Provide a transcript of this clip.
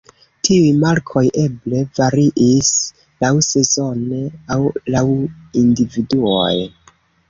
Tiuj markoj eble variis laŭsezone aŭ laŭ individuoj.